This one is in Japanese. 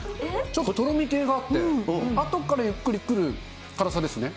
ちょっととろみ系があって、後からゆっくり来る辛さですね。